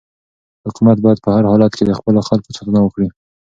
حکومت باید په هر حالت کې د خپلو خلکو ساتنه وکړي.